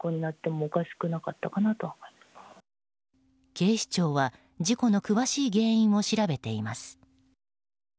警視庁は事故の詳しい原因を調べています。